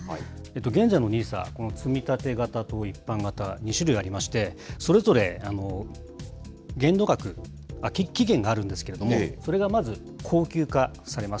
現在のＮＩＳＡ、このつみたて型と一般型、２種類ありまして、それぞれ期限があるんですけれども、それがまず、恒久化されます。